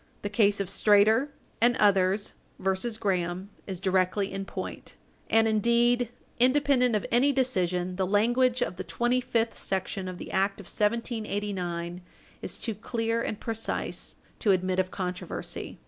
The case of Strader and others v. Graham is directly in point, and, indeed, independent of any decision, the language of the 25th section of the act of 1789 is too clear and precise to admit of controversy.